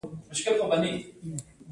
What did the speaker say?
هلک له مور سره مهربان وي.